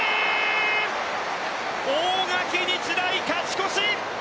大垣日大勝ち越し！